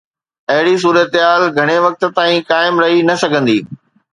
اهڙي صورتحال گهڻي وقت تائين قائم رهي نه سگهندي.